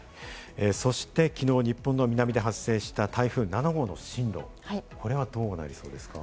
そして、きのう日本の南で発生した台風７号の進路、これはどうなりそうですか？